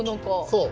そう。